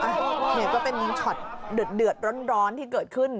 เนี่ยก็เป็นช็อตเดือดร้อนที่เกิดขึ้น